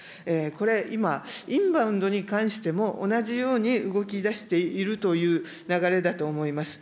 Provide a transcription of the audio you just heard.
これ、今、インバウンドに関しても同じように動きだしているという流れだと思います。